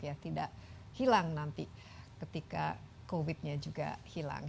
ya tidak hilang nanti ketika covid nya juga hilang